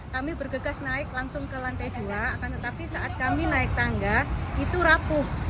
kami bergegas naik langsung ke lantai dua akan tetapi saat kami naik tangga itu rapuh